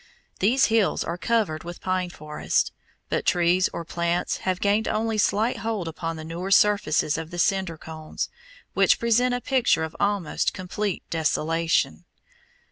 These hills are covered with pine forests; but trees or plants have gained only slight hold upon the newer surfaces of the cinder cones, which present a picture of almost complete desolation.